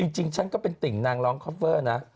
จริงฉันก็เป็นติ่งนางร้องคอฟเฟอร์นะ